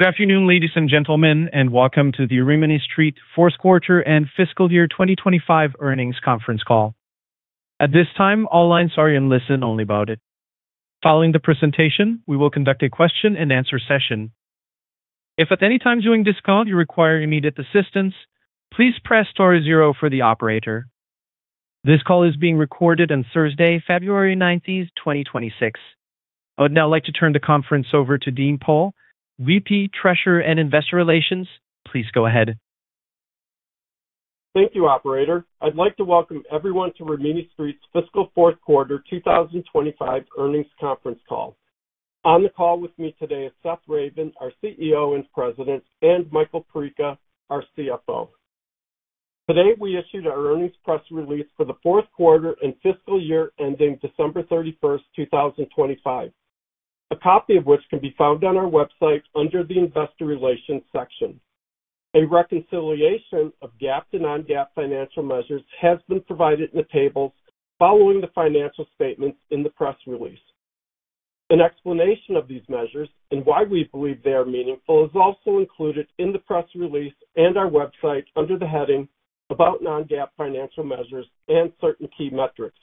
Good afternoon, ladies and gentlemen, and welcome to the Rimini Street Q4 and Fiscal Year 2025 Earnings Conference Call. At this time, all lines are in listen-only mode. Following the presentation, we will conduct a question-and-answer session. If at any time during this call you require immediate assistance, please press star zero for the operator. This call is being recorded on Thursday, February 19th, 2026. I would now like to turn the conference over to Dean Pohl, VP, Treasurer, and Investor Relations. Please go ahead. Thank you, operator. I'd like to welcome everyone to Rimini Street's Fiscal Q4 2025 Earnings Conference Call. On the call with me today is Seth Ravin, our CEO and President, and Michael Perica, our CFO. Today, we issued our ear nings press release for the Q4 and fiscal year ending December 31, 2025, a copy of which can be found on our website under the Investor Relations section. A reconciliation of GAAP to non-GAAP financial measures has been provided in the tables following the financial statements in the press release. An explanation of these measures and why we believe they are meaningful is also included in the press release and our website under the heading About Non-GAAP Financial Measures and Certain Key Metrics.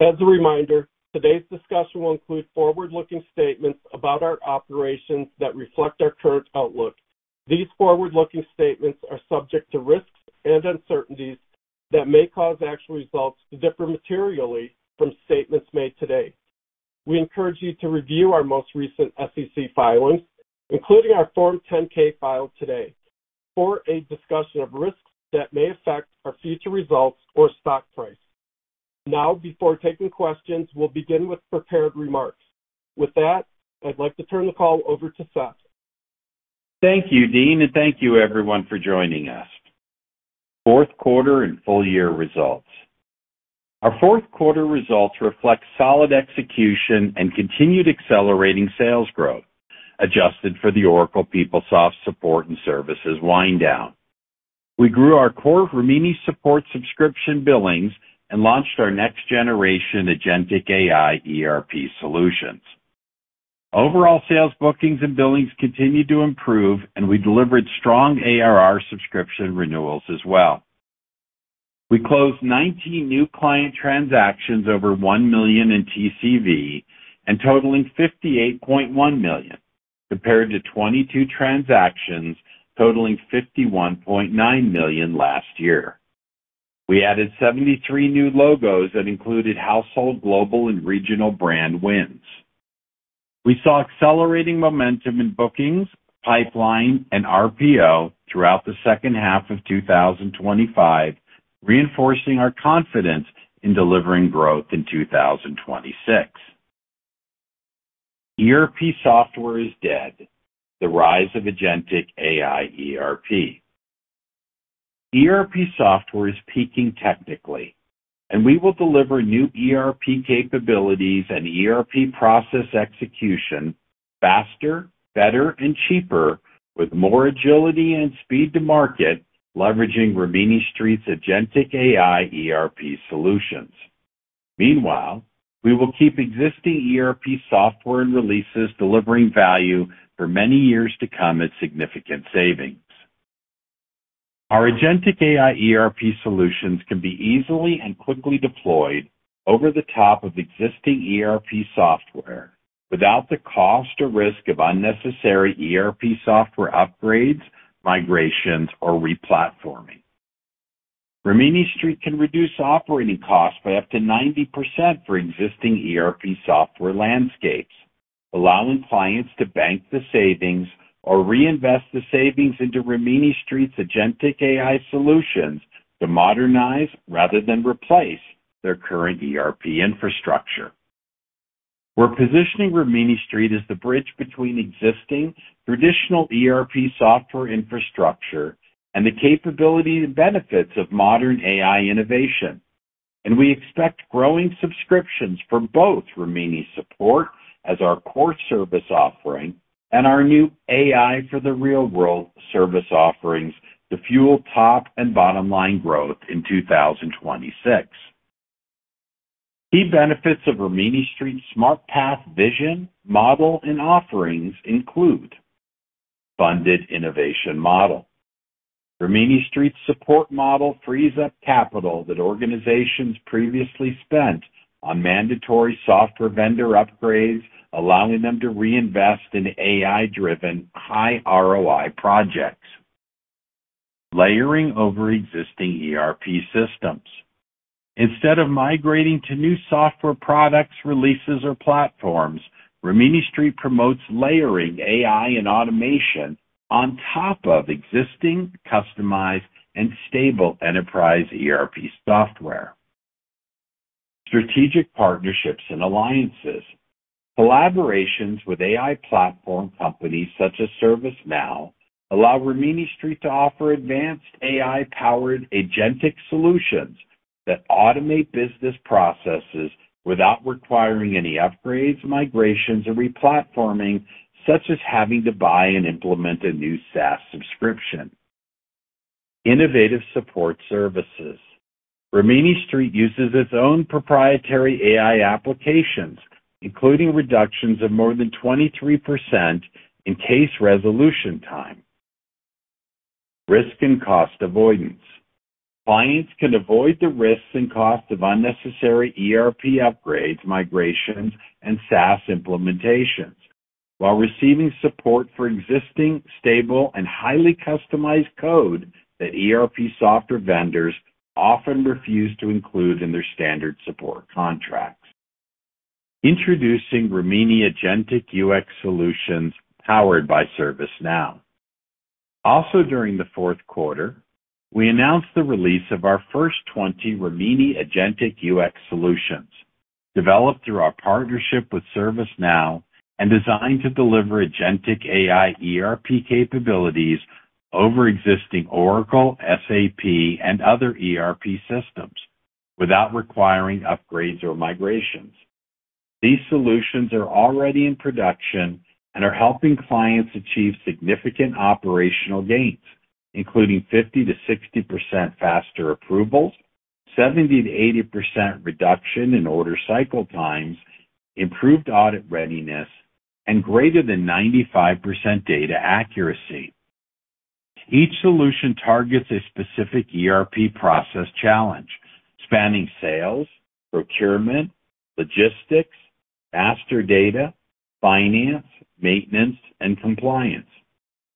As a reminder, today's discussion will include forward-looking statements about our operations that reflect our current outlook. These forward-looking statements are subject to risks and uncertainties that may cause actual results to differ materially from statements made today. We encourage you to review our most recent SEC filings, including our Form 10-K filed today, for a discussion of risks that may affect our future results or stock price. Now, before taking questions, we'll begin with prepared remarks. With that, I'd like to turn the call over to Seth. Thank you, Dean, and thank you, everyone, for joining us. Q4 and Full-Year Results. Our Q4 results reflect solid execution and continued accelerating sales growth, adjusted for the Oracle PeopleSoft support and services wind down. We grew our core Rimini Support subscription billings and launched our next-generation Agentic AI ERP solutions. Overall sales, bookings, and billings continued to improve, and we delivered strong ARR subscription renewals as well. We closed 19 new client transactions over $1 million in TCV and totaling $58.1 million, compared to 22 transactions totaling $51.9 million last year. We added 73 new logos that included household, global, and regional brand wins. We saw accelerating momentum in bookings, pipeline, and RPO throughout the H2 of 2025, reinforcing our confidence in delivering growth in 2026. ERP software is dead: the rise of Agentic AI ERP. ERP software is peaking technically, and we will deliver new ERP capabilities and ERP process execution faster, better, and cheaper, with more agility and speed to market, leveraging Rimini Street's Agentic AI ERP solutions. Meanwhile, we will keep existing ERP software and releases delivering value for many years to come at significant savings. Our Agentic AI ERP solutions can be easily and quickly deployed over the top of existing ERP software without the cost or risk of unnecessary ERP software upgrades, migrations, or replatforming. Rimini Street can reduce operating costs by up to 90% for existing ERP software landscapes, allowing clients to bank the savings or reinvest the savings into Rimini Street's Agentic AI solutions to modernize rather than replace their current ERP infrastructure. We're positioning Rimini Street as the bridge between existing traditional ERP software infrastructure and the capability and benefits of modern AI innovation, and we expect growing subscriptions for both Rimini Support as our core service offering and our new AI for the real-world service offerings to fuel top and bottom-line growth in 2026. Key benefits of Rimini Street's Smart Path vision, model, and offerings include funded innovation model. Rimini Street's support model frees up capital that organizations previously spent on mandatory software vendor upgrades, allowing them to reinvest in AI-driven, high ROI projects. Layering over existing ERP systems. Instead of migrating to new software products, releases, or platforms, Rimini Street promotes layering AI and automation on top of existing, customized, and stable enterprise ERP software. Strategic partnerships and alliances. Collaborations with AI platform companies such as ServiceNow allow Rimini Street to offer advanced AI-powered Agentic solutions that automate business processes without requiring any upgrades, migrations, or replatforming, such as having to buy and implement a new SaaS subscription. Innovative support services. Rimini Street uses its own proprietary AI applications, including reductions of more than 23% in case resolution time. Risk and cost avoidance. Clients can avoid the risks and costs of unnecessary ERP upgrades, migrations, and SaaS implementations while receiving support for existing stable and highly customized code that ERP software vendors often refuse to include in their standard support contracts. Introducing Rimini Agentic UX Solutions, powered by ServiceNow. Also, during the Q4, we announced the release of our first 20 Rimini Agentic UX solutions, developed through our partnership with ServiceNow and designed to deliver Agentic AI ERP capabilities over existing Oracle, SAP, and other ERP systems without requiring upgrades or migrations. These solutions are already in production and are helping clients achieve significant operational gains, including 50%-60% faster approvals, 70%-80% reduction in order cycle times, improved audit readiness, and greater than 95% data accuracy. Each solution targets a specific ERP process challenge, spanning sales, procurement, logistics, master data, finance, maintenance, and compliance,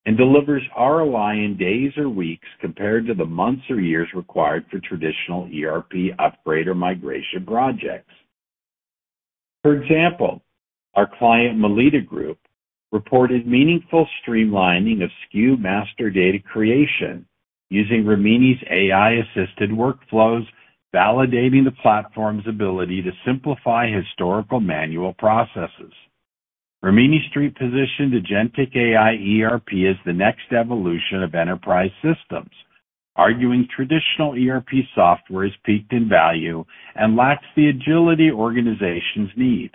and delivers ROI in days or weeks, compared to the months or years required for traditional ERP upgrade or migration projects. For example, our client, Melita Group, reported meaningful streamlining of SKU master data creation using Rimini's AI-assisted workflows, validating the platform's ability to simplify historical manual processes. Rimini Street positioned Agentic AI ERP as the next evolution of enterprise systems, arguing traditional ERP software is peaked in value and lacks the agility organizations need.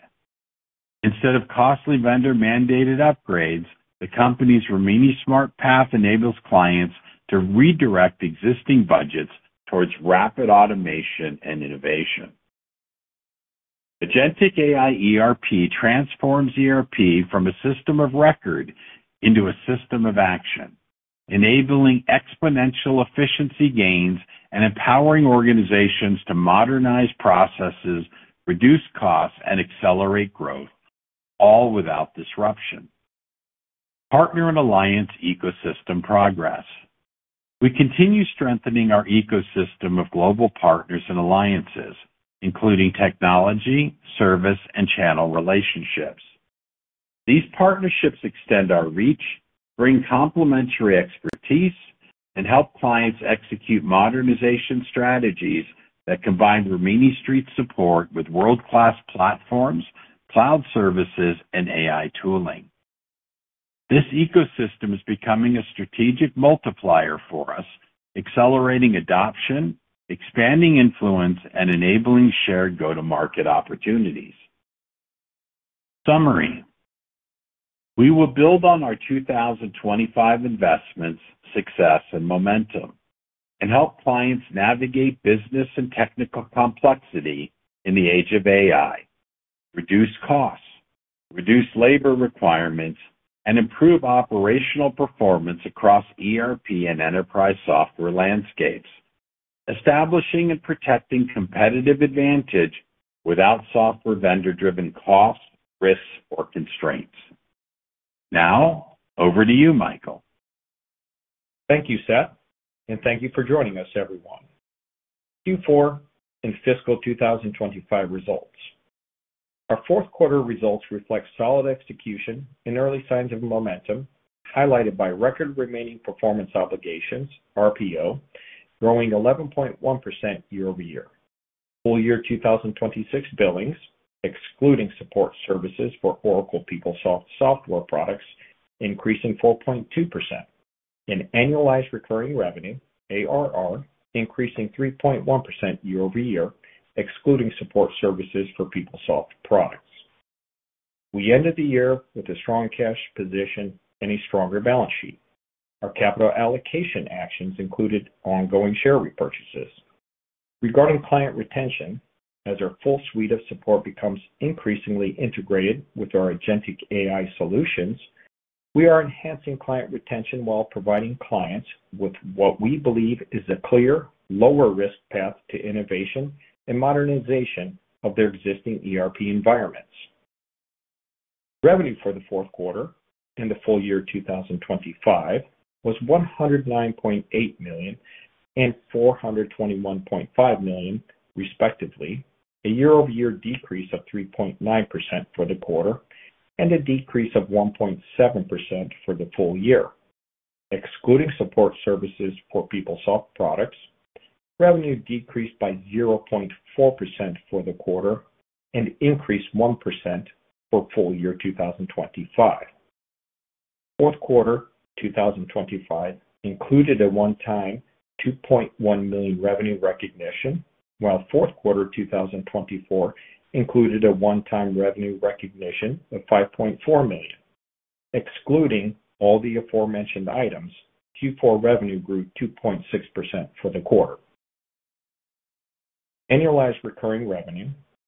Instead of costly vendor-mandated upgrades, the company's Rimini Smart Path enables clients to redirect existing budgets towards rapid automation and innovation. Agentic AI ERP transforms ERP from a system of record into a system of action, enabling exponential efficiency gains and empowering organizations to modernize processes, reduce costs, and accelerate growth, all without disruption. Partner and alliance ecosystem progress. We continue strengthening our ecosystem of global partners and alliances, including technology, service, and channel relationships. These partnerships extend our reach, bring complementary expertise, and help clients execute modernization strategies that combine Rimini Street support with world-class platforms, cloud services, and AI tooling. This ecosystem is becoming a strategic multiplier for us, accelerating adoption, expanding influence, and enabling shared go-to-market opportunities. Summary. We will build on our 2025 investments, success, and momentum and help clients navigate business and technical complexity in the age of AI, reduce costs, reduce labor requirements, and improve operational performance across ERP and enterprise software landscapes, establishing and protecting competitive advantage without software vendor-driven costs, risks, or constraints. Now, over to you, Michael. Thank you, Seth, and thank you for joining us, everyone. Q4 and fiscal 2025 results. Our Q4 results reflect solid execution and early signs of momentum, highlighted by record remaining performance obligations, RPO, growing 11.1% year-over-year. Full year 2026 billings, excluding support services for Oracle PeopleSoft software products, increasing 4.2%, and annualized recurring revenue, ARR, increasing 3.1% year-over-year, excluding support services for PeopleSoft products. We ended the year with a strong cash position and a stronger balance sheet. Our capital allocation actions included ongoing share repurchases. Regarding client retention, as our full suite of support becomes increasingly integrated with our Agentic AI solutions, we are enhancing client retention while providing clients with what we believe is a clear, lower-risk path to innovation and modernization of their existing ERP environments. Revenue for the Q4 and the full year 2025 was $109.8 million and $421.5 million, respectively, a year-over-year decrease of 3.9% for the quarter, and a decrease of 1.7% for the full year. Excluding support services for PeopleSoft products, revenue decreased by 0.4% for the quarter and increased 1% for full year 2025. Q4 2025 included a one-time $2.1 million revenue recognition, while Q4 2024 included a one-time revenue recognition of $5.4 million.... excluding all the aforementioned items, Q4 revenue grew 2.6% for the quarter. Annualized recurring revenue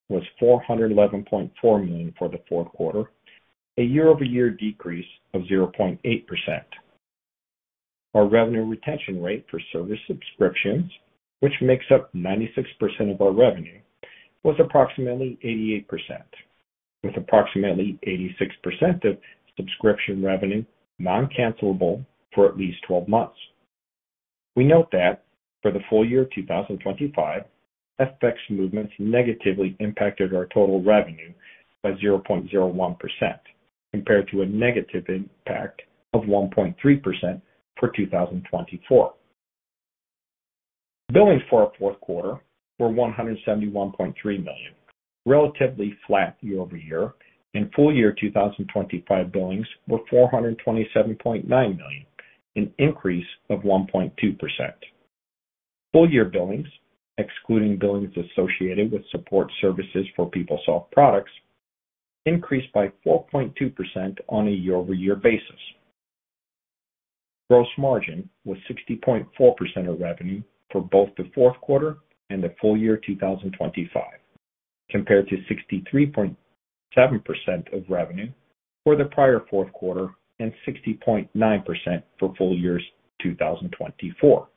was $411.4 million for the Q4, a year-over-year decrease of 0.8%. Our revenue retention rate for service subscriptions, which makes up 96% of our revenue, was approximately 88%, with approximately 86% of subscription revenue non-cancellable for at least 12 months. We note that for the full year of 2025, FX movements negatively impacted our total revenue by 0.01%, compared to a negative impact of 1.3% for 2024. Billings for our Q4 were $171.3 million, relatively flat year-over-year, and full year 2025 billings were $427.9 million, an increase of 1.2%. Full year billings, excluding billings associated with support services for PeopleSoft products, increased by 4.2% on a year-over-year basis. Gross margin was 60.4% of revenue for both the Q4 and the full year 2025, compared to 63.7% of revenue for the prior Q4 and 60.9% for full year 2024.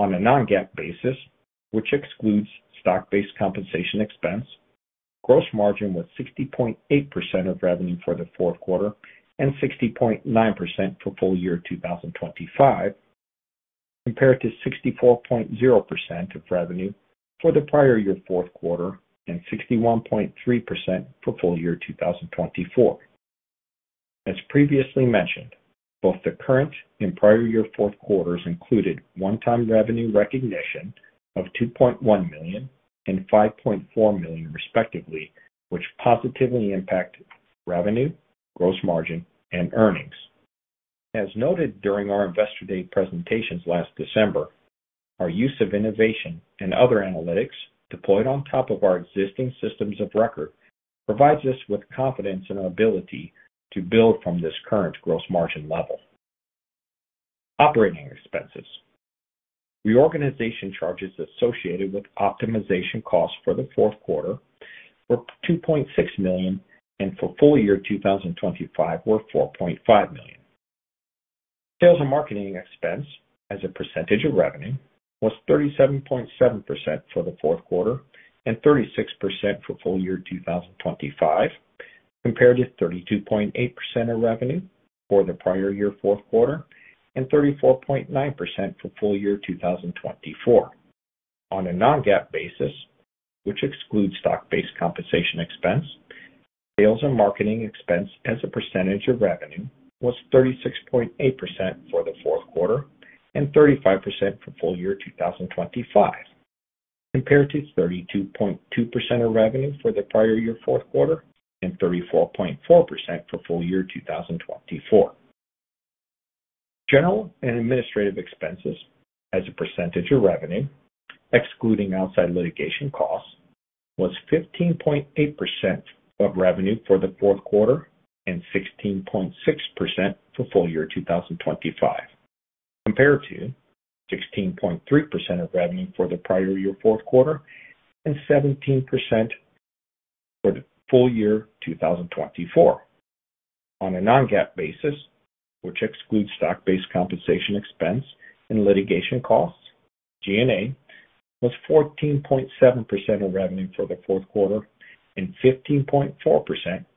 On a non-GAAP basis, which excludes stock-based compensation expense, gross margin was 60.8% of revenue for the Q4 and 60.9% for full year 2025, compared to 64.0% of revenue for the prior year Q4 and 61.3% for full year 2024. As previously mentioned, both the current and prior year Q4s included one-time revenue recognition of $2.1 million and $5.4 million, respectively, which positively impacted revenue, gross margin, and earnings. As noted during our Investor Day presentations last December, our use of innovation and other analytics deployed on top of our existing systems of record provides us with confidence in our ability to build from this current gross margin level. Operating expenses. Reorganization charges associated with optimization costs for the Q4 were $2.6 million, and for full year 2025 were $4.5 million. Sales and marketing expense as a percentage of revenue was 37.7% for the Q4 and 36% for full year 2025, compared to 32.8% of revenue for the prior year Q4 and 34.9% for full year 2024. On a non-GAAP basis, which excludes stock-based compensation expense, sales and marketing expense as a percentage of revenue was 36.8% for the Q4 and 35% for full year 2025, compared to 32.2% of revenue for the prior year Q4 and 34.4% for full year 2024. General and administrative expenses as a percentage of revenue, excluding outside litigation costs, was 15.8% of revenue for the Q4 and 16.6% for full year 2025, compared to 16.3% of revenue for the prior year Q4 and 17% for the full year 2024. On a non-GAAP basis, which excludes stock-based compensation expense and litigation costs, G&A was 14.7% of revenue for the Q4 and 15.4%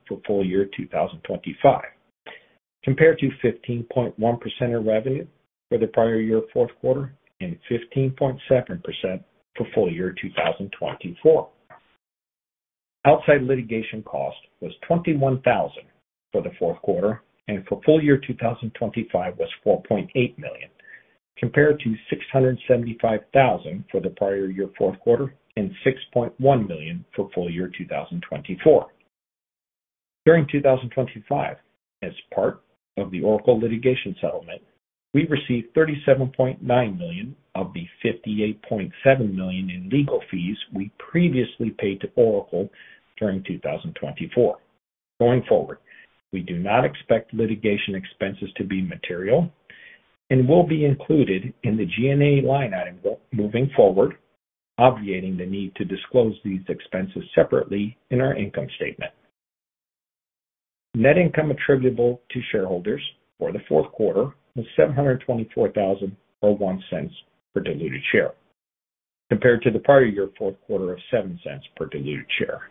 for full year 2025, compared to 15.1% of revenue for the prior year Q4 and 15.7% for full year 2024. Outside litigation cost was $21,000 for the Q4, and for full year 2025 was $4.8 million, compared to $675,000 for the prior year Q4 and $6.1 million for full year 2024. During 2025, as part of the Oracle litigation settlement, we received $37.9 million of the $58.7 million in legal fees we previously paid to Oracle during 2024. Going forward, we do not expect litigation expenses to be material and will be included in the G&A line item moving forward, obviating the need to disclose these expenses separately in our income statement. Net income attributable to shareholders for the Q4 was $724,000, or $0.01 per diluted share, compared to the prior year Q4 of $0.07 per diluted share.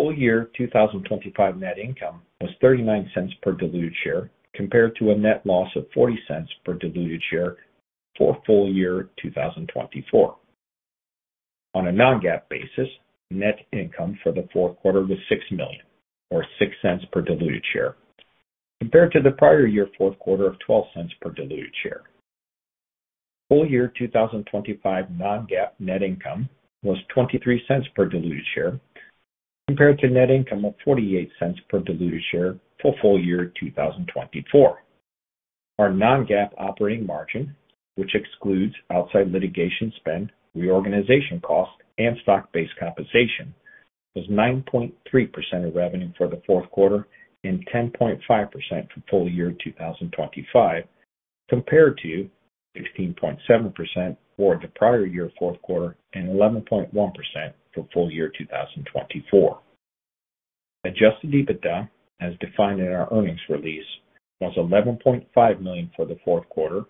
Full year 2025 net income was $0.39 per diluted share, compared to a net loss of $0.40 per diluted share for full year 2024. On a non-GAAP basis, net income for the Q4 was $6 million, or $0.06 per diluted share, compared to the prior year Q4 of $0.12 per diluted share. Full year 2025 non-GAAP net income was $0.23 per diluted share, compared to net income of $0.48 per diluted share for full year 2024. Our non-GAAP operating margin, which excludes outside litigation spend, reorganization costs, and stock-based compensation, was 9.3% of revenue for the Q4 and 10.5% for full year 2025, compared to 16.7% for the prior year Q4 and 11.1% for full year 2024. Adjusted EBITDA, as defined in our earnings release, was $11.5 million for the Q4,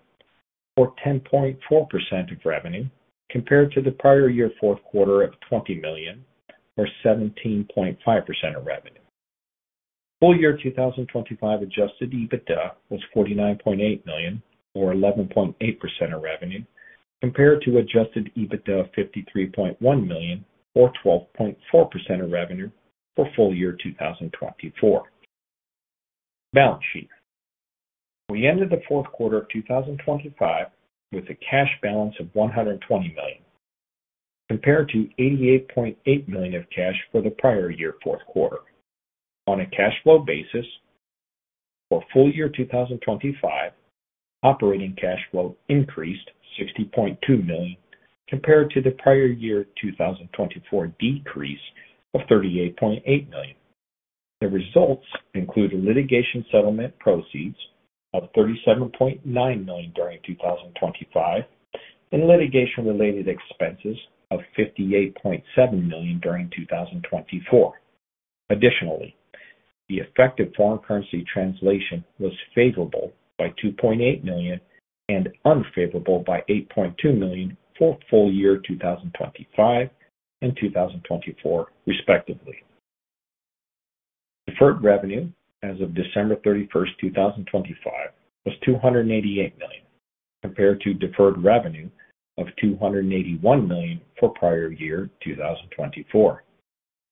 or 10.4% of revenue, compared to the prior year Q4 of $20 million, or 17.5% of revenue. Full year 2025 adjusted EBITDA was $49.8 million, or 11.8% of revenue, compared to adjusted EBITDA of $53.1 million or 12.4% of revenue for full year 2024. Balance sheet. We ended the Q4 of 2025 with a cash balance of $120 million, compared to $88.8 million of cash for the prior year Q4. On a cash flow basis for full year 2025, operating cash flow increased $60.2 million compared to the prior year 2024 decrease of $38.8 million. The results include litigation settlement proceeds of $37.9 million during 2025 and litigation-related expenses of $58.7 million during 2024. Additionally, the effective foreign currency translation was favorable by $2.8 million and unfavorable by $8.2 million for full year 2025 and 2024, respectively. Deferred revenue as of December 31, 2025, was $288 million, compared to deferred revenue of $281 million for prior year 2024.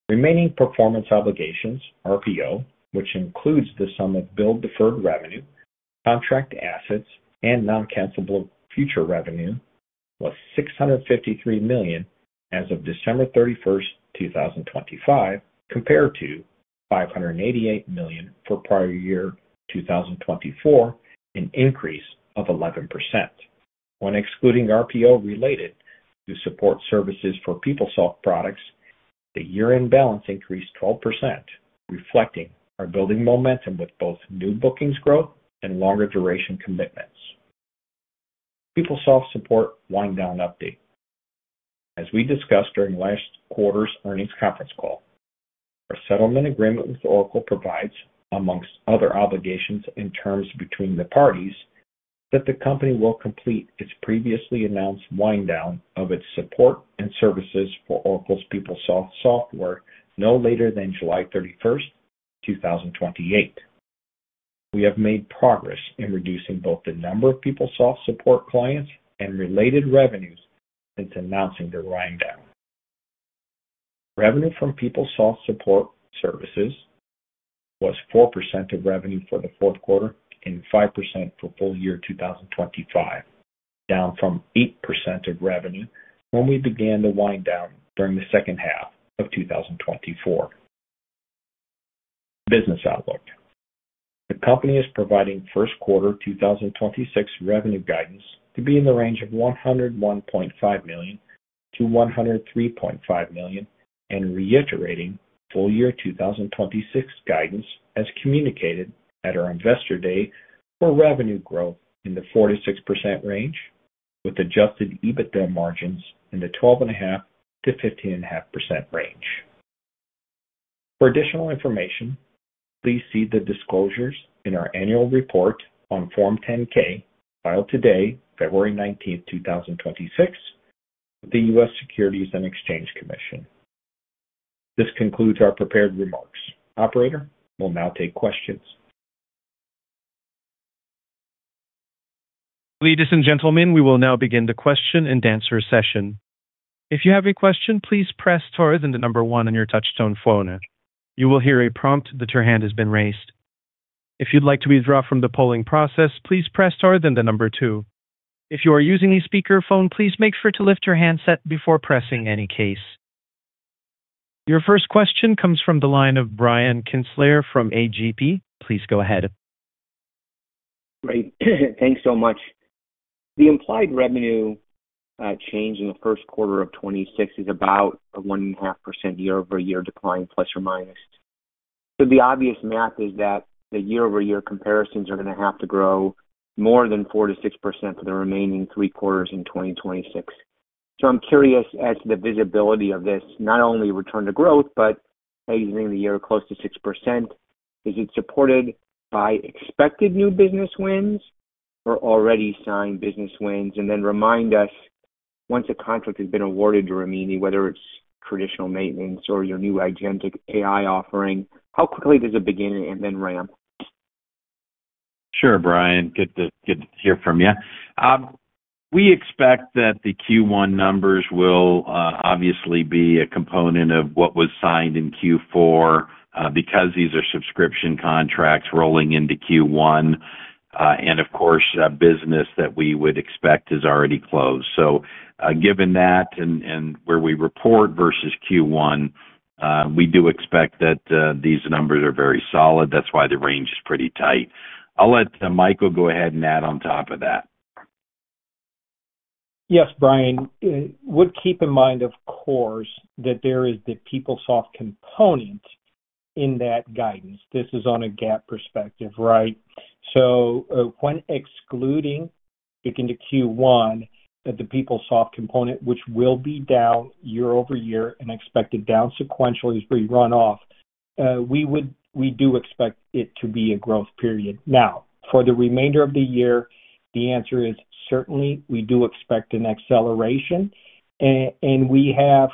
Remaining performance obligations, RPO, which includes the sum of billed deferred revenue, contract assets, and non-cancellable future revenue, was $653 million as of December 31, 2025, compared to $588 million for prior year 2024, an increase of 11%. When excluding RPO related to support services for PeopleSoft products, the year-end balance increased 12%, reflecting our building momentum with both new bookings growth and longer duration commitments. PeopleSoft Support Wind Down update. As we discussed during last quarter's earnings conference call, our settlement agreement with Oracle provides, amongst other obligations and terms between the parties, that the company will complete its previously announced wind down of its support and services for Oracle's PeopleSoft software no later than July 31, 2028. We have made progress in reducing both the number of PeopleSoft support clients and related revenues since announcing the wind down. Revenue from PeopleSoft support services was 4% of revenue for the Q4 and 5% for full year 2025, down from 8% of revenue when we began the wind down during the H2 of 2024. Business outlook. The company is providing Q1 2026 revenue guidance to be in the range of $101.5 million-$103.5 million, and reiterating full year 2026 guidance as communicated at our Investor Day for revenue growth in the 4%-6% range, with adjusted EBITDA margins in the 12.5%-15.5% range. For additional information, please see the disclosures in our annual report on Form 10-K, filed today, February 19, 2026, with the U.S. Securities and Exchange Commission. This concludes our prepared remarks. Operator, we'll now take questions. Ladies and gentlemen, we will now begin the question-and-answer session. If you have a question, please press star, then the number one on your touchtone phone. You will hear a prompt that your hand has been raised. If you'd like to withdraw from the polling process, please press star then the number two. If you are using a speakerphone, please make sure to lift your handset before pressing any keys. Your first question comes from the line of Brian Kinstlinger from AGP. Please go ahead. Great. Thanks so much. The implied revenue change in the Q1 of 2026 is about a 1.5% year-over-year decline, ±. So the obvious math is that the year-over-year comparisons are going to have to grow more than 4%-6% for the remaining three quarters in 2026. So I'm curious as to the visibility of this, not only return to growth, but pacing the year close to 6%. Is it supported by expected new business wins or already signed business wins? And then remind us, once a contract has been awarded to Rimini, whether it's traditional maintenance or your new Agentic AI offering, how quickly does it begin and then ramp? Sure, Brian. Good to hear from you. We expect that the Q1 numbers will obviously be a component of what was signed in Q4, because these are subscription contracts rolling into Q1, and of course, business that we would expect is already closed. So, given that and where we report versus Q1, we do expect that these numbers are very solid. That's why the range is pretty tight. I'll let Michael go ahead and add on top of that.... Yes, Brian, would keep in mind, of course, that there is the PeopleSoft component in that guidance. This is on a GAAP perspective, right? So, when excluding, looking to Q1, that the PeopleSoft component, which will be down year-over-year and expected down sequentially as we run off, we do expect it to be a growth period. Now, for the remainder of the year, the answer is certainly we do expect an acceleration. And we have,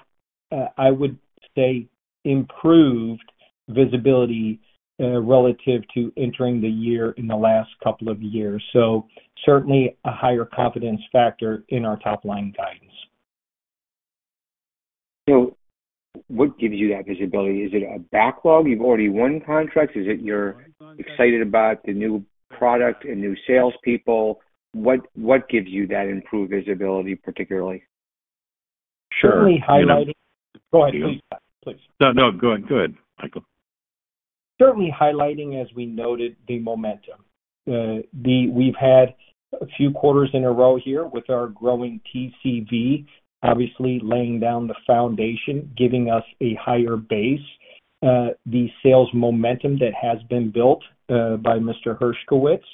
I would say, improved visibility, relative to entering the year in the last couple of years. So certainly a higher confidence factor in our top-line guidance. So what gives you that visibility? Is it a backlog? You've already won contracts. Is it you're excited about the new product and new salespeople? What, what gives you that improved visibility, particularly? Sure. Certainly highlighting- Go ahead, please. Please. No, no. Go ahead. Go ahead, Michael. Certainly highlighting, as we noted, the momentum. We've had a few quarters in a row here with our growing TCV, obviously laying down the foundation, giving us a higher base. The sales momentum that has been built by Mr. Hershkowitz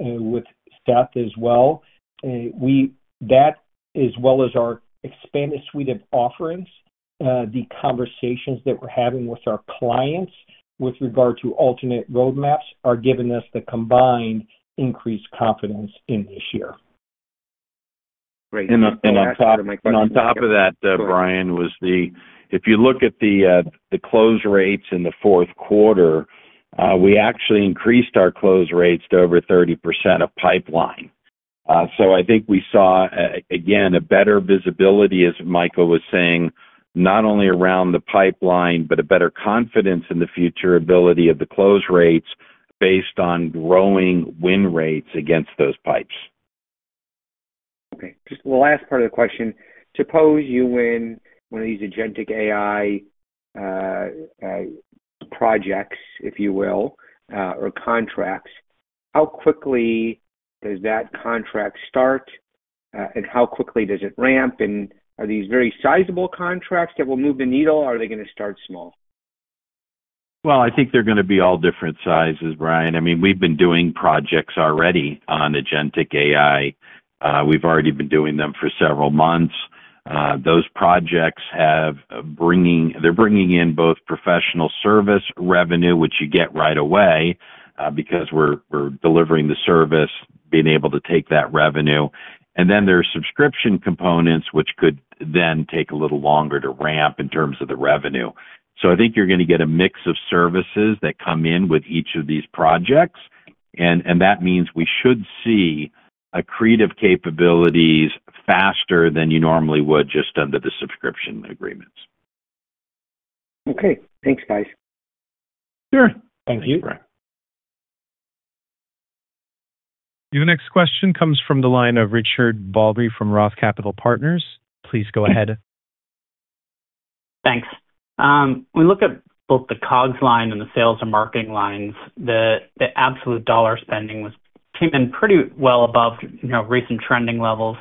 with staff as well. That, as well as our expanded suite of offerings, the conversations that we're having with our clients with regard to alternate roadmaps, are giving us the combined increased confidence in this year. Great. On top of that, Brian, if you look at the close rates in the Q4, we actually increased our close rates to over 30% of pipeline. So I think we saw again a better visibility, as Michael was saying, not only around the pipeline, but a better confidence in the future ability of the close rates based on growing win rates against those pipes. Okay, just the last part of the question: Suppose you win one of these Agentic AI projects, if you will, or contracts, how quickly does that contract start? And how quickly does it ramp? And are these very sizable contracts that will move the needle, or are they going to start small? Well, I think they're going to be all different sizes, Brian. I mean, we've been doing projects already on Agentic AI. We've already been doing them for several months. Those projects are bringing in both professional service revenue, which you get right away, because we're, we're delivering the service, being able to take that revenue. And then there are subscription components, which could then take a little longer to ramp in terms of the revenue. So I think you're going to get a mix of services that come in with each of these projects, and, and that means we should see accretive capabilities faster than you normally would just under the subscription agreements. Okay. Thanks, guys. Sure. Thank you, Brian. The next question comes from the line of Richard Baldry from Roth Capital Partners. Please go ahead. Thanks. We look at both the COGS line and the sales and marketing lines. The absolute dollar spending came in pretty well above, you know, recent trending levels.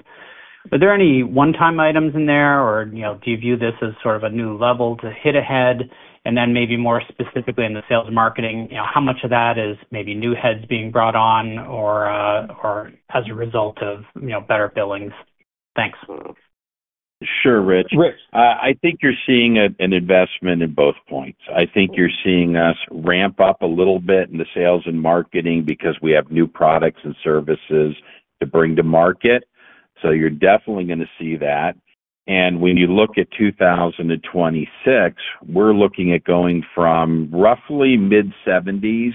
Were there any one-time items in there, or, you know, do you view this as sort of a new level to hit ahead? And then maybe more specifically, in the sales and marketing, you know, how much of that is maybe new heads being brought on or, or as a result of, you know, better billings? Thanks. Sure, Rich. I think you're seeing an, an investment in both points. I think you're seeing us ramp up a little bit in the sales and marketing because we have new products and services to bring to market. So you're definitely gonna see that. And when you look at 2026, we're looking at going from roughly mid-70s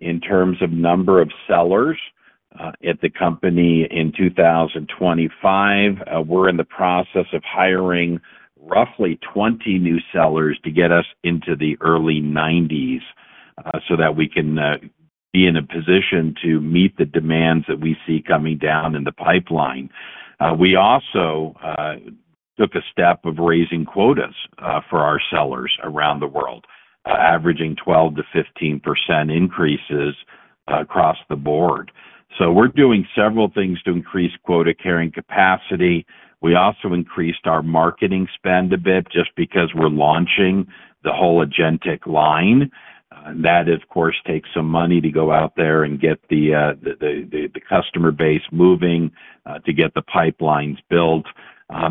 in terms of number of sellers at the company in 2025. We're in the process of hiring roughly 20 new sellers to get us into the early 90s, so that we can be in a position to meet the demands that we see coming down in the pipeline. We also took a step of raising quotas for our sellers around the world, averaging 12%-15% increases across the board. We're doing several things to increase quota carrying capacity. We also increased our marketing spend a bit just because we're launching the whole agentic line. That, of course, takes some money to go out there and get the customer base moving, to get the pipelines built.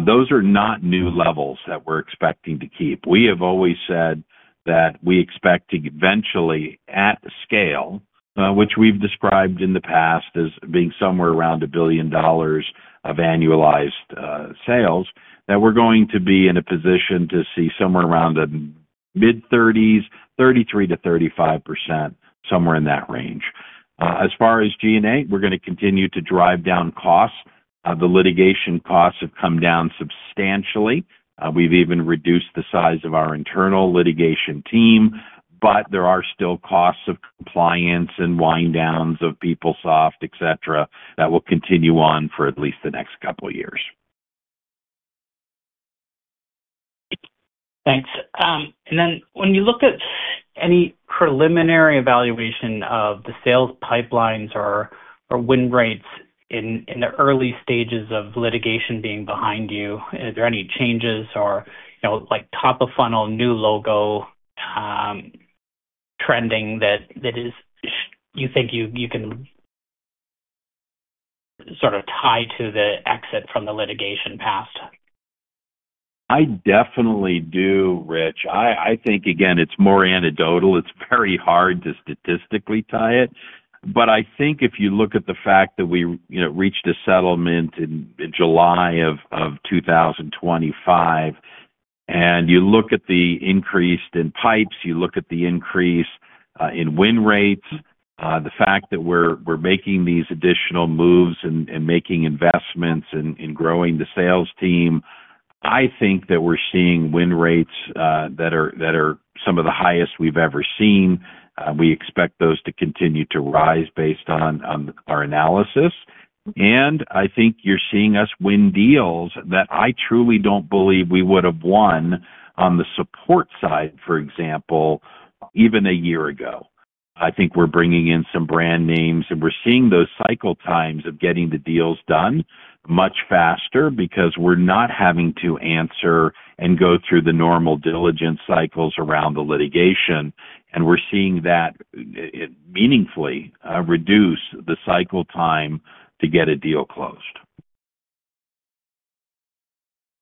Those are not new levels that we're expecting to keep. We have always said that we expect to eventually, at scale, which we've described in the past as being somewhere around $1 billion of annualized sales, that we're going to be in a position to see somewhere around the mid-30s, 33%-35%, somewhere in that range. As far as G&A, we're gonna continue to drive down costs. The litigation costs have come down substantially. We've even reduced the size of our internal litigation team, but there are still costs of compliance and wind downs of PeopleSoft, et cetera, that will continue on for at least the next couple of years.... Thanks. And then when you look at any preliminary evaluation of the sales pipelines or win rates in the early stages of litigation being behind you, are there any changes or, you know, like, top of funnel, new logo, trending that is you think you can sort of tie to the exit from the litigation past? I definitely do, Rich. I think, again, it's more anecdotal. It's very hard to statistically tie it, but I think if you look at the fact that we, you know, reached a settlement in July of 2025, and you look at the increase in pipes, you look at the increase in win rates, the fact that we're making these additional moves and making investments in growing the sales team, I think that we're seeing win rates that are some of the highest we've ever seen. We expect those to continue to rise based on our analysis. And I think you're seeing us win deals that I truly don't believe we would have won on the support side, for example, even a year ago. I think we're bringing in some brand names, and we're seeing those cycle times of getting the deals done much faster because we're not having to answer and go through the normal diligence cycles around the litigation. We're seeing that it meaningfully reduce the cycle time to get a deal closed.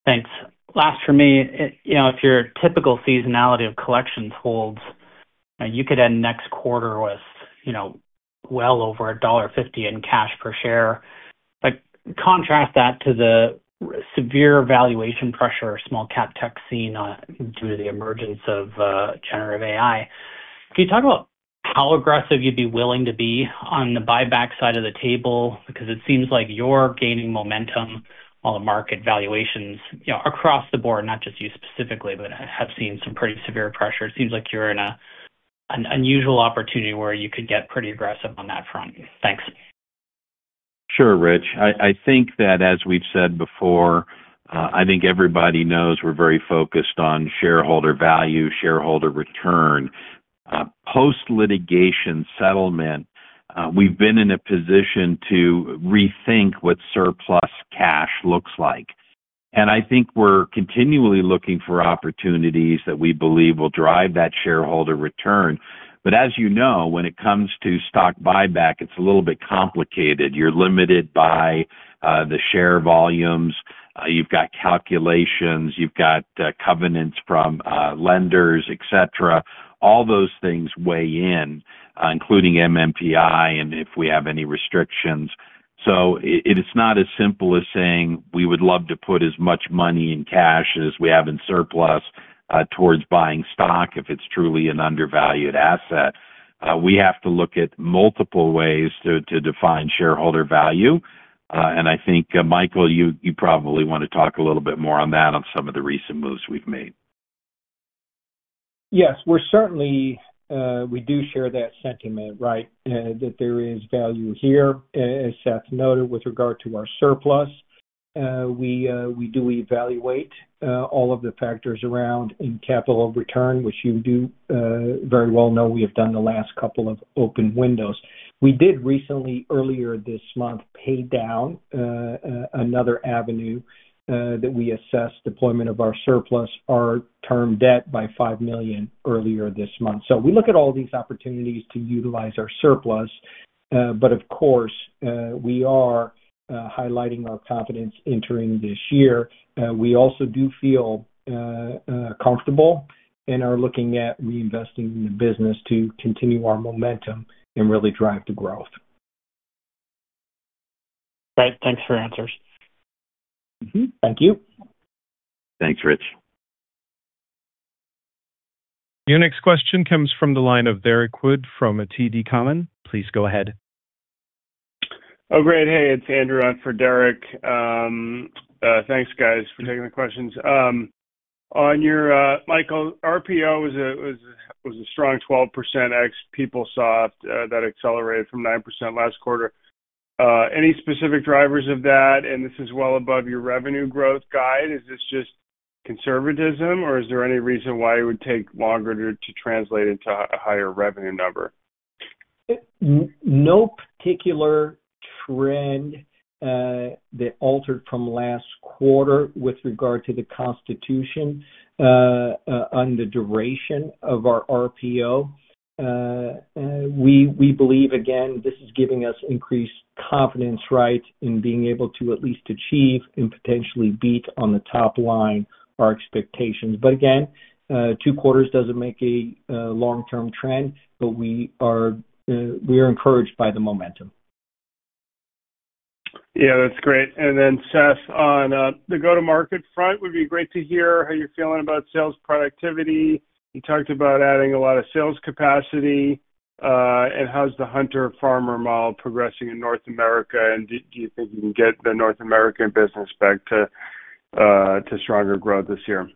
Thanks. Last for me, you know, if your typical seasonality of collections holds, you could end next quarter with, you know, well over $1.50 in cash per share. But contrast that to the severe valuation pressure small cap tech scene, due to the emergence of, generative AI. Can you talk about how aggressive you'd be willing to be on the buyback side of the table? Because it seems like you're gaining momentum while the market valuations, you know, across the board, not just you specifically, but have seen some pretty severe pressure. It seems like you're in a, an unusual opportunity where you could get pretty aggressive on that front. Thanks. Sure, Rich. I, I think that, as we've said before, I think everybody knows we're very focused on shareholder value, shareholder return. Post-litigation settlement, we've been in a position to rethink what surplus cash looks like. And I think we're continually looking for opportunities that we believe will drive that shareholder return. But as you know, when it comes to stock buyback, it's a little bit complicated. You're limited by the share volumes, you've got calculations, you've got covenants from lenders, et cetera. All those things weigh in, including MNPI and if we have any restrictions. So it is not as simple as saying we would love to put as much money in cash as we have in surplus towards buying stock if it's truly an undervalued asset. We have to look at multiple ways to define shareholder value. I think, Michael, you, you probably want to talk a little bit more on that on some of the recent moves we've made. Yes, we're certainly, we do share that sentiment, right, that there is value here. As Seth noted, with regard to our surplus, we, we do evaluate, all of the factors around in capital return, which you do, very well know we have done the last couple of open windows. We did recently, earlier this month, pay down, another avenue, that we assessed deployment of our surplus, our term debt, by $5 million earlier this month. So we look at all these opportunities to utilize our surplus, but of course, we are, highlighting our confidence entering this year. We also do feel, comfortable and are looking at reinvesting in the business to continue our momentum and really drive the growth. Great. Thanks for your answers. Mm-hmm. Thank you. Thanks, Rich. Your next question comes from the line of Derek Wood from TD Cowen. Please go ahead. Oh, great. Hey, it's Andrew on for Derek. Thanks, guys, for taking the questions. On your, Michael, RPO was a strong 12% ex PeopleSoft that accelerated from 9% last quarter. Any specific drivers of that? And this is well above your revenue growth guide. Is this just conservatism, or is there any reason why it would take longer to translate into a higher revenue number? No particular trend that altered from last quarter with regard to the composition on the duration of our RPO. We believe, again, this is giving us increased confidence, right, in being able to at least achieve and potentially beat on the top line our expectations. But again, two quarters doesn't make a long-term trend, but we are encouraged by the momentum. Yeah, that's great. And then, Seth, on the go-to-market front, would be great to hear how you're feeling about sales productivity. You talked about adding a lot of sales capacity, and how's the Hunter-Farmer model progressing in North America, and do you think you can get the North American business back to stronger growth this year?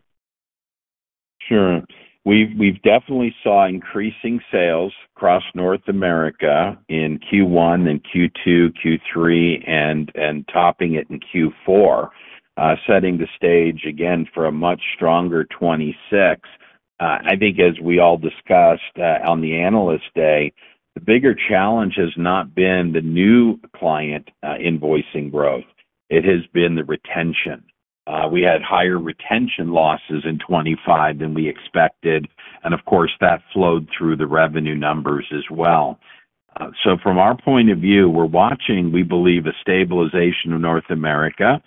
Sure. We've definitely saw increasing sales across North America in Q1 and Q2, Q3, and topping it in Q4, setting the stage again for a much stronger 2026. I think as we all discussed on the Analyst Day, the bigger challenge has not been the new client invoicing growth. It has been the retention. We had higher retention losses in 2025 than we expected, and of course, that flowed through the revenue numbers as well. So from our point of view, we're watching, we believe, a stabilization of North America.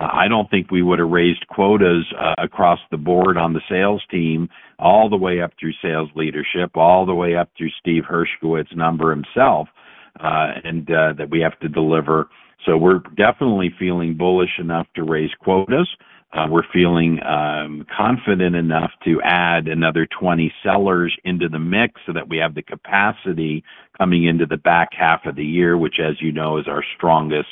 I don't think we would have raised quotas across the board on the sales team, all the way up through sales leadership, all the way up through Steve Hershkowitz's number himself, and that we have to deliver. So we're definitely feeling bullish enough to raise quotas. We're feeling confident enough to add another 20 sellers into the mix so that we have the capacity coming into the back half of the year, which, as you know, is our strongest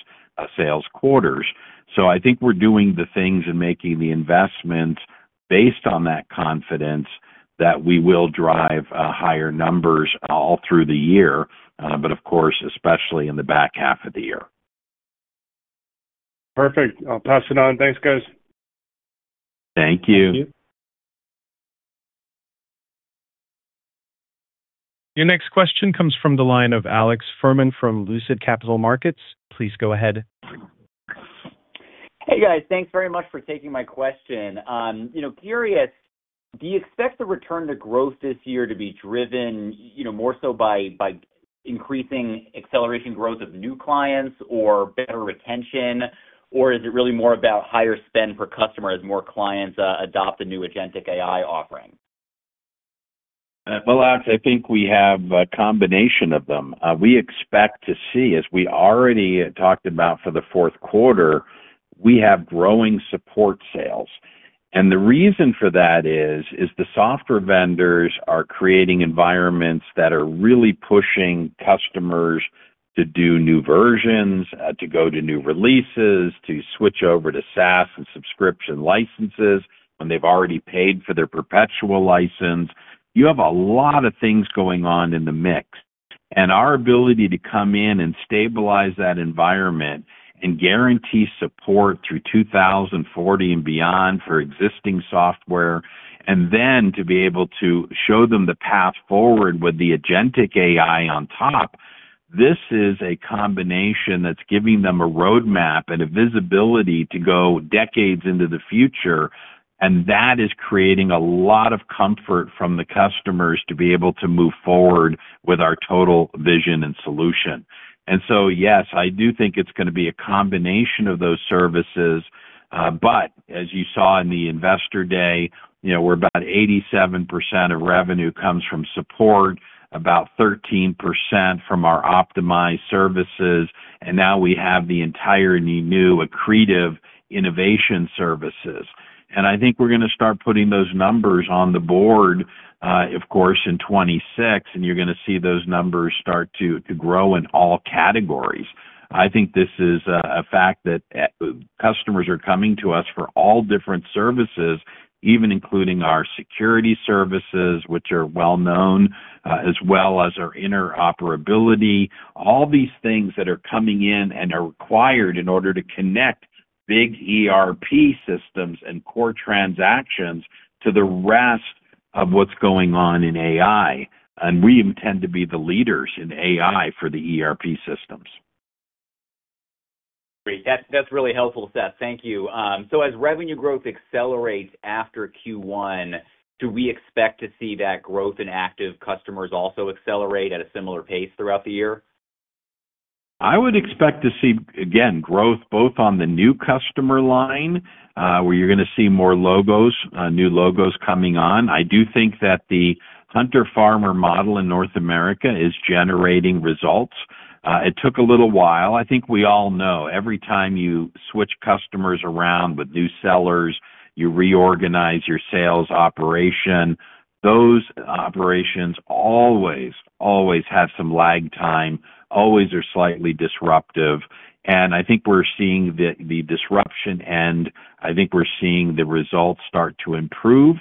sales quarters. So I think we're doing the things and making the investments based on that confidence that we will drive higher numbers all through the year, but of course, especially in the back half of the year. Perfect. I'll pass it on. Thanks, guys. Thank you. Thank you. Your next question comes from the line of Alex Fuhrman from Lucid Capital Markets. Please go ahead. Hey, guys. Thanks very much for taking my question. You know, curious, do you expect the return to growth this year to be driven, you know, more so by increasing acceleration growth of new clients or better retention? Or is it really more about higher spend per customer as more clients adopt the new Agentic AI offering? Well, Alex, I think we have a combination of them. We expect to see, as we already talked about for the Q4, we have growing support sales. And the reason for that is, the software vendors are creating environments that are really pushing customers to do new versions, to go to new releases, to switch over to SaaS and subscription licenses when they've already paid for their perpetual license. You have a lot of things going on in the mix, and our ability to come in and stabilize that environment and guarantee support through 2040 and beyond for existing software, and then to be able to show them the path forward with the Agentic AI on top, this is a combination that's giving them a roadmap and a visibility to go decades into the future, and that is creating a lot of comfort from the customers to be able to move forward with our total vision and solution. And so, yes, I do think it's gonna be a combination of those services, but as you saw in the Investor Day, you know, we're about 87% of revenue comes from support, about 13% from our optimized services, and now we have the entirely new accretive innovation services. I think we're going to start putting those numbers on the board, of course, in 2026, and you're going to see those numbers start to grow in all categories. I think this is a fact that customers are coming to us for all different services, even including our security services, which are well known, as well as our interoperability. All these things that are coming in and are required in order to connect big ERP systems and core transactions to the rest of what's going on in AI, and we intend to be the leaders in AI for the ERP systems. Great. That's, that's really helpful, Seth. Thank you. So as revenue growth accelerates after Q1, do we expect to see that growth in active customers also accelerate at a similar pace throughout the year? I would expect to see, again, growth both on the new customer line, where you're going to see more logos, new logos coming on. I do think that the Hunter-Farmer model in North America is generating results. It took a little while. I think we all know every time you switch customers around with new sellers, you reorganize your sales operation. Those operations always, always have some lag time, always are slightly disruptive, and I think we're seeing the, the disruption, and I think we're seeing the results start to improve,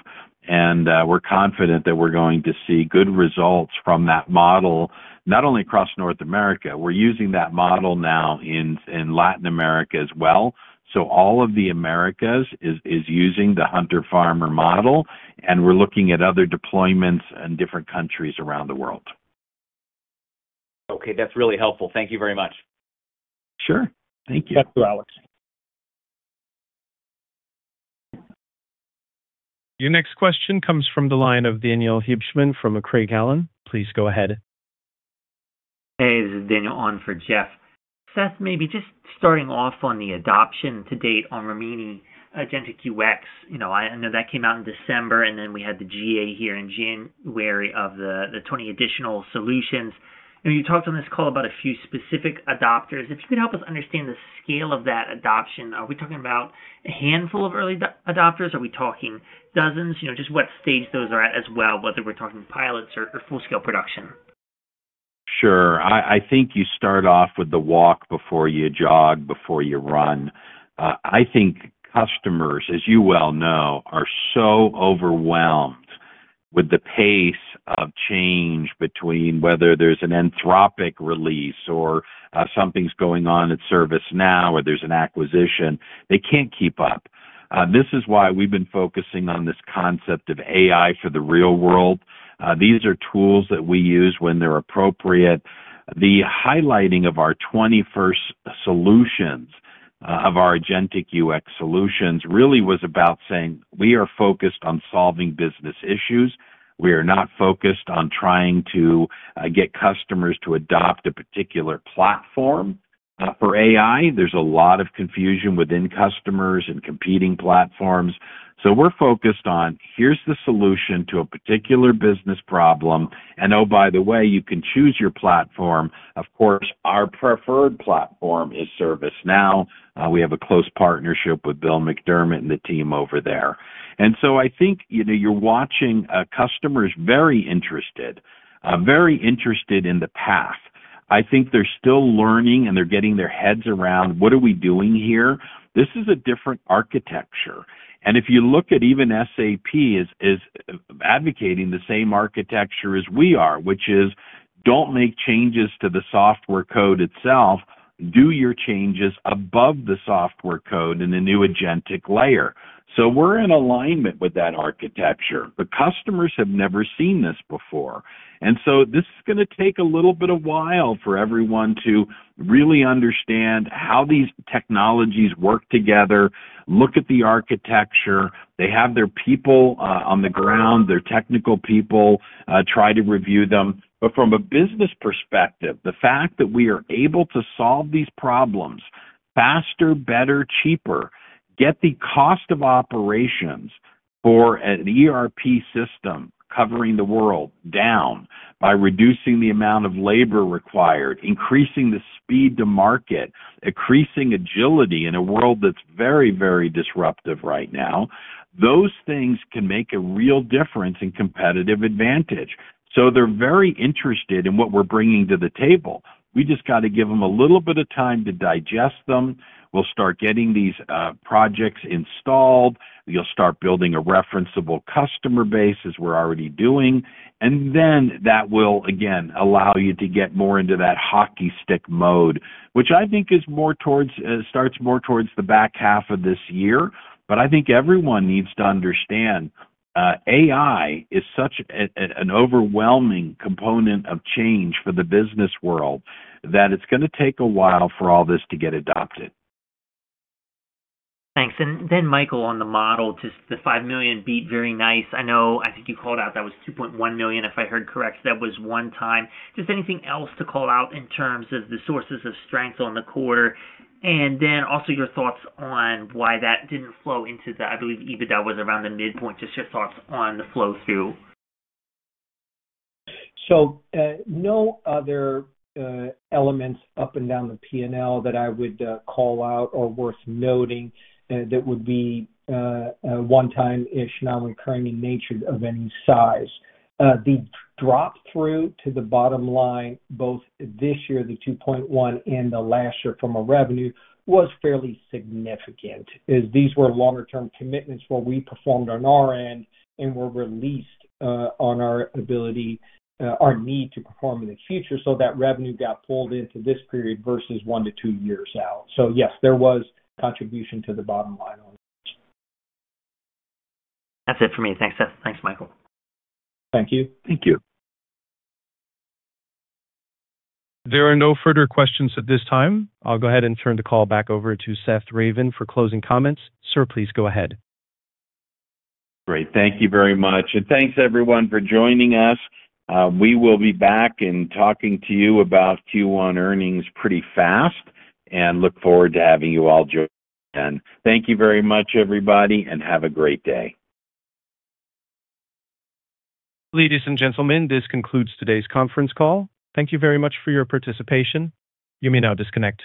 and, we're confident that we're going to see good results from that model, not only across North America. We're using that model now in, in Latin America as well. So all of the Americas is, is using the Hunter-Farmer model, and we're looking at other deployments in different countries around the world. Okay, that's really helpful. Thank you very much. Sure. Thank you. Back to Alex. Your next question comes from the line of Daniel Hibshman from Craig-Hallum. Please go ahead. Hey, this is Daniel on for Jeff. Seth, maybe just starting off on the adoption to date on Rimini Agentic UX. You know, I know that came out in December, and then we had the GA here in January of the 20 additional solutions. And you talked on this call about a few specific adopters. If you could help us understand the scale of that adoption, are we talking about a handful of early adopters? Are we talking dozens? You know, just what stage those are at as well, whether we're talking pilots or full-scale production. Sure. I think you start off with the walk before you jog, before you run. I think customers, as you well know, are so overwhelmed with the pace of change between whether there's an Anthropic release or something's going on at ServiceNow, or there's an acquisition. They can't keep up. This is why we've been focusing on this concept of AI for the real world. These are tools that we use when they're appropriate... The highlighting of our AI-first solutions, of our Agentic UX solutions, really was about saying we are focused on solving business issues. We are not focused on trying to get customers to adopt a particular platform. For AI, there's a lot of confusion within customers and competing platforms, so we're focused on: here's the solution to a particular business problem, and oh, by the way, you can choose your platform. Of course, our preferred platform is ServiceNow. We have a close partnership with Bill McDermott and the team over there. And so I think, you know, you're watching customers very interested, very interested in the path. I think they're still learning, and they're getting their heads around, "What are we doing here?" This is a different architecture, and if you look at even SAP is advocating the same architecture as we are, which is don't make changes to the software code itself. Do your changes above the software code in the new agentic layer. So we're in alignment with that architecture, but customers have never seen this before. So this is gonna take a little bit of while for everyone to really understand how these technologies work together, look at the architecture. They have their people on the ground, their technical people try to review them. But from a business perspective, the fact that we are able to solve these problems faster, better, cheaper, get the cost of operations for an ERP system covering the world down by reducing the amount of labor required, increasing the speed to market, increasing agility in a world that's very, very disruptive right now, those things can make a real difference in competitive advantage. So they're very interested in what we're bringing to the table. We just got to give them a little bit of time to digest them. We'll start getting these projects installed. You'll start building a referenceable customer base, as we're already doing, and then that will, again, allow you to get more into that hockey stick mode. Which I think is more towards, starts more towards the back half of this year. But I think everyone needs to understand, AI is such an overwhelming component of change for the business world, that it's gonna take a while for all this to get adopted. Thanks. And then, Michael, on the model, just the $5 million beat, very nice. I know, I think you called out that was $2.1 million, if I heard correct. So that was one time. Just anything else to call out in terms of the sources of strength on the quarter, and then also your thoughts on why that didn't flow into the... I believe, EBITDA was around the midpoint. Just your thoughts on the flow-through. So, no other elements up and down the P&L that I would call out or worth noting that would be a one-time issue, non-recurring in nature of any size. The drop-through to the bottom line, both this year, the $2.1, and the last year from a revenue, was fairly significant, as these were longer term commitments where we performed on our end and were released on our ability, our need to perform in the future. So that revenue got pulled into this period versus 1-2 years out. So yes, there was contribution to the bottom line on it. That's it for me. Thanks, Seth. Thanks, Michael. Thank you. Thank you. There are no further questions at this time. I'll go ahead and turn the call back over to Seth Ravin for closing comments. Sir, please go ahead. Great. Thank you very much, and thanks, everyone, for joining us. We will be back and talking to you about Q1 earnings pretty fast, and look forward to having you all join again. Thank you very much, everybody, and have a great day. Ladies and gentlemen, this concludes today's conference call. Thank you very much for your participation. You may now disconnect.